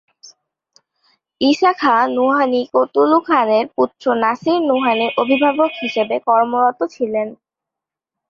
ঈসা খান নুহানী কুতলুখানের পুত্র নাসির নুহানীর অভিভাবক হিসেবে কর্মরত ছিলেন।